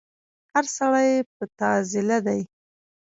هر سړی په تعضيله دی